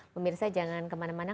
pemirsa jangan kemana mana